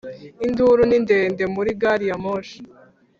Induru ni ndende muri gari ya moshi